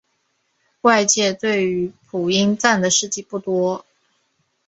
外界对于朴英赞的事迹不多。